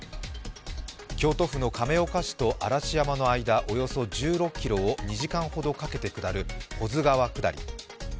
京都府の亀岡市と嵐山の間およそ１６ｋｍを２時間ほどかけて下る保津川下り。